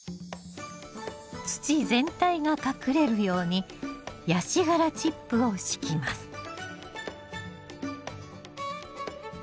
土全体が隠れるようにヤシ殻チップを敷きます。